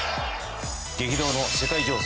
激動の世界情勢